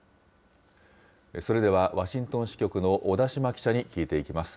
それではワシントン支局の小田島記者に聞いていきます。